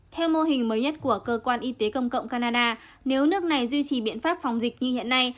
theo mô hình mới nhất của cơ quan y tế công cộng canada nếu nước này duy trì biện pháp phòng dịch như hiện nay